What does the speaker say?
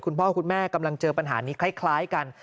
คุณพ่อคุณแม่กำลังเจอปัญหานี้คล้ายกัน